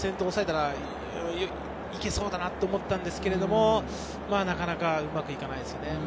大西いけそうだなと思ったんですけれど、なかなかうまくいかないですね。